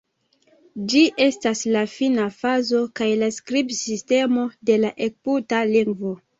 Ĝi estas la fina fazo kaj la skribsistemo de la egipta lingvo.